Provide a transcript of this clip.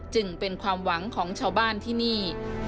จึงเป็นความหวังของชาวบ้านที่นี่